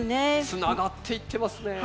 つながっていってますね。